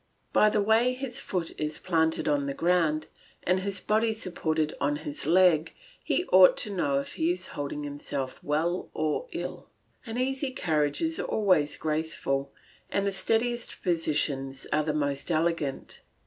By the way his foot is planted on the ground, and his body supported on his leg, he ought to know if he is holding himself well or ill. An easy carriage is always graceful, and the steadiest positions are the most elegant.